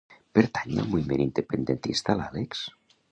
Pertany al moviment independentista l'Àlex?